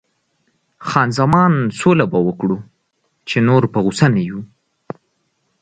خان زمان: سوله به وکړو، چې نور په غوسه نه یو.